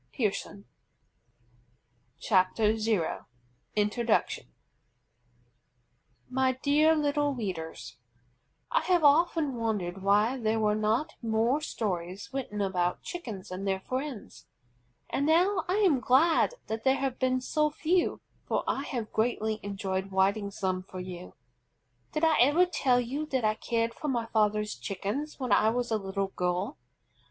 REPEATED THE GANDER 166 INTRODUCTION My Dear Little Readers: I have often wondered why there were not more stories written about Chickens and their friends, and now I am glad that there have been so few, for I have greatly enjoyed writing some for you. Did I ever tell you that I cared for my father's Chickens when I was a little girl?